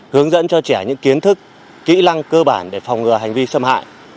hướng dẫn cho trẻ những kiến thức kỹ năng cơ bản để phòng ngừa hành vi xâm hại